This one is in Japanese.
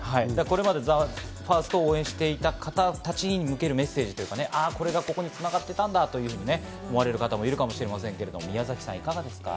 ＴＨＥＦＩＲＳＴを応援していた方たちに向けるメッセージというか、ここに繋がっていたんだと思われる方もいらっしゃるかもしれませんが、いかがですか？